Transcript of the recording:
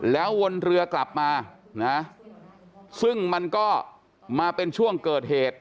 แล้ววนเรือกลับมานะซึ่งมันก็มาเป็นช่วงเกิดเหตุ